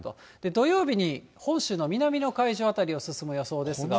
土曜日に本州の南の海上辺りを進む予想ですが。